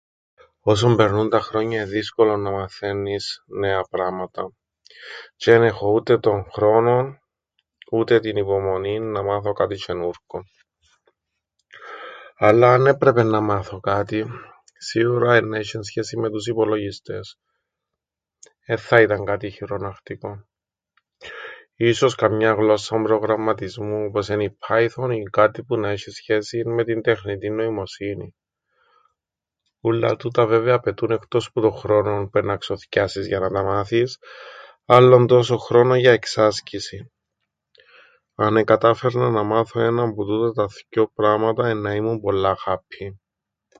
"Όσον περνούν τα χρόνια εν' δύσκολον να μαθαίννεις νέα πράματα τζ̆αι εν έχω ούτε τον χρόνον, ούτε την υπομονήν να μάθω κάτι τζ̆αινούρκον, αλλά αν έπρεπεν να μάθω κάτι σίουρα εννά είσ̆εν σχέσην με τους υπολογιστές, εν θα ήταν κάτι χειρονακτικόν, ίσως καμιάν γλώσσαν προγραμματισμού όπως εν' η ""Python"" ή κάτι που να έσ̆ει σχέσην με την τεχνητήν νοημοσύνην. Ούλλα τούτα βέβαια απαιτούν εχτός που τον χρόνον που εννά ξοθκιάσεις για να τα μάθεις άλλον τόσον χρόνον για εξάσκησην. Αν εκατάφερνα να μάθω ΄έναν που το΄υτα τα θκυο πράματα εννά ήμουν πολλά happy."